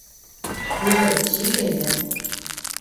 湖北蕲水人。